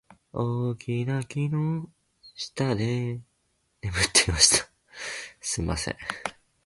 大きな木の下で眠っていました。